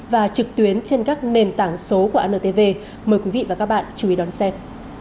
và trực tuyến trên các nền tảng số của antv mời quý vị và các bạn chú ý đón xem